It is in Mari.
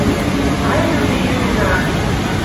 Ай, люли, ӱдена.